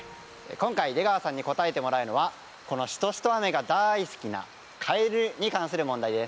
今回出川さんに答えてもらうのはこのしとしと雨が大好きなカエルに関する問題です。